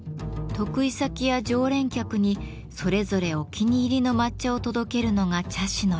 得意先や常連客にそれぞれお気に入りの抹茶を届けるのが茶師の役目。